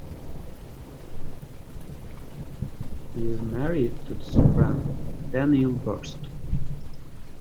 He is married to the soprano Danielle Borst.